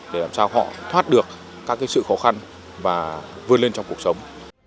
để làm sao họ thoát được các sự khó khăn và vươn lên trong cuộc sống